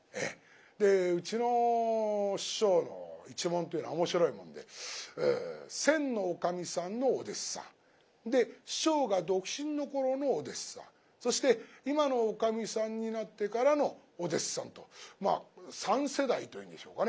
でうちの師匠の一門というのはおもしろいもんで先のおかみさんのお弟子さんで師匠が独身の頃のお弟子さんそして今のおかみさんになってからのお弟子さんとまあ３世代と言うんでしょうかね